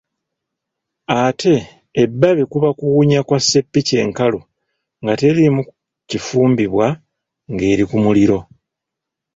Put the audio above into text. Ate ebbabe kuba kuwunya kwa sseppiki enkalu nga teriimu kifumbibwa ng'eri ku muliro.